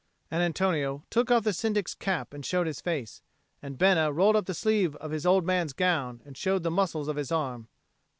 And Antonio took off the Syndic's cap and showed his face; and Bena rolled up the sleeve of his old man's gown and showed the muscles of his arm.